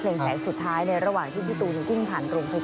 เพลงแหลงสุดท้ายในระหว่างที่พี่ตูนกึ้งผ่านกรุงภิกษ์